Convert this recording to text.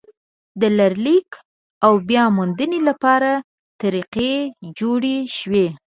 د لړلیک او بیا موندنې لپاره طریقې جوړې شوې.